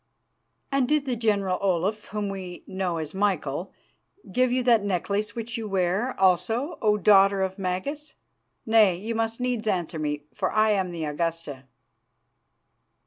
"'And did the General Olaf, whom we know as Michael, give you that necklace which you wear, also, O Daughter of Magas? Nay, you must needs answer me, for I am the Augusta.